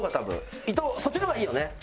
伊藤そっちの方がいいよね？